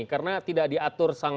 karena tidak diatur sepenuhnya